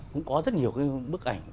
cũng có rất nhiều bức ảnh